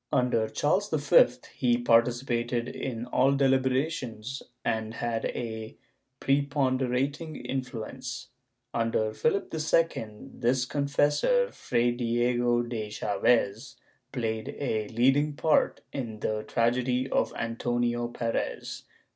Under Charles V he participated in all deliberations and had a prepon derating influence.^ Under Philip II, his confessor Fray Diego de Chaves, played a leading part in the tragedy of Antonio Perez.